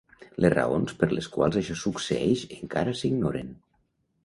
Les raons per les quals això succeeix encara s'ignoren.